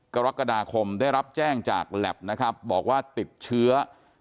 กรกฎาคมได้รับแจ้งจากแล็บนะครับบอกว่าติดเชื้อ